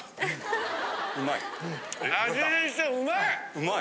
・うまい？